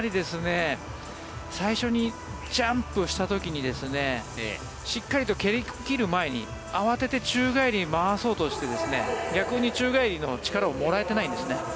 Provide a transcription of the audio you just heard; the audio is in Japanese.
最初にジャンプした時にしっかりと蹴り切る前に慌てて宙返りに回そうとして逆に宙返りの力をもらえていないんですね。